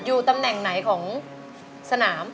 อยู่ตำแหน่งไหนของสนาม